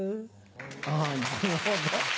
あなるほど。